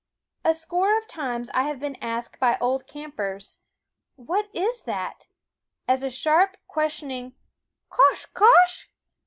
A score of times I have been asked by old campers, "What THE WOODS is that ?" as a sharp, questioning Quoskh quoskh